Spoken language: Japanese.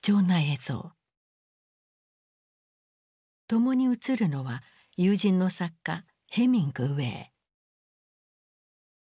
共に映るのは友人の作家ヘミングウェイ。